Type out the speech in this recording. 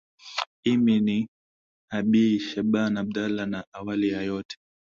imi ni abi shaban abdala na awali ya yote